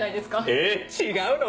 えぇ⁉違うの？